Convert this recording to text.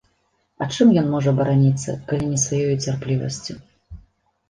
А чым ён можа бараніцца, калі не сваёю цярплівасцю.